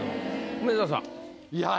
梅沢さん。